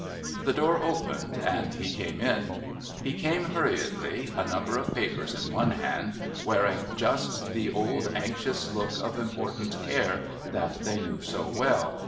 The door opened, and he came in. He came hurriedly, a number of papers in one hand, wearing just the old anxious look of important care that they knew so well.